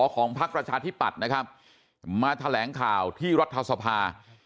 ของพักประชาธิปัตย์นะครับมาแถลงข่าวที่รัฐสภา